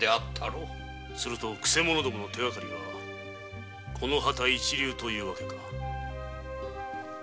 するとくせ者の手がかりはこの旗一流という訳か。